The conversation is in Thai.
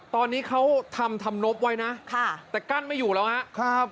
ตอนนี้เขาทำทำนบไว้นะแต่กั้นไม่อยู่แล้วครับ